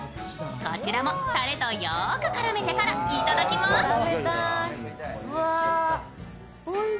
こちらもたれとよーく絡めてから頂きます。